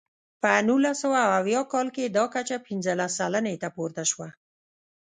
په نولس سوه اویا کال کې دا کچه پنځلس سلنې ته پورته شوه.